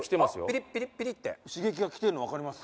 ピリッピリッピリッて刺激がきてるの分かります